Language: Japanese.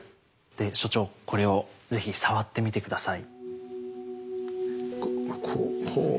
で所長これを是非触ってみて下さい。